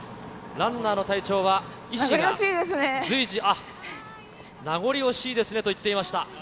ランナーの体調は、医師が随時、あっ、名残惜しいですねと言っていました。